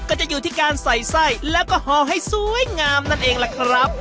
ก็จะอยู่ที่การใส่ไส้แล้วก็ห่อให้สวยงามนั่นเองล่ะครับ